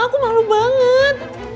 aku malu banget